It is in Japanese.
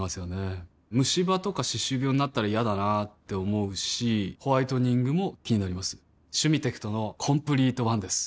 ムシ歯とか歯周病になったら嫌だなって思うしホワイトニングも気になります「シュミテクトのコンプリートワン」です